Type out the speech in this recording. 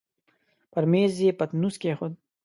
پر مېز يې پتنوس کېښود.